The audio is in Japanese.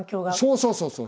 そうそうそうそう。